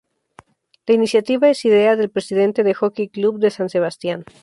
La iniciativa es idea del presidente del Hockey Club de San Sebastián.